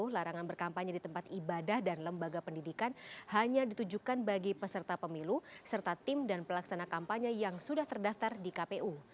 larangan berkampanye di tempat ibadah dan lembaga pendidikan hanya ditujukan bagi peserta pemilu serta tim dan pelaksana kampanye yang sudah terdaftar di kpu